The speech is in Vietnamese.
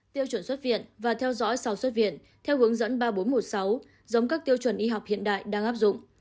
tiêu chuẩn xuất viện và theo dõi sau xuất viện theo hướng dẫn ba nghìn bốn trăm một mươi sáu giống các tiêu chuẩn y học hiện đại đang áp dụng